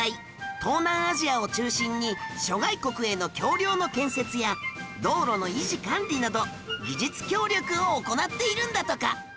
東南アジアを中心に諸外国への橋梁の建設や道路の維持管理など技術協力を行っているんだとか